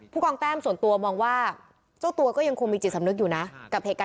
ผู้กองแต้มส่วนตัวมองว่าเจ้าตัวก็ยังคงมีจิตสำนึกอยู่นะ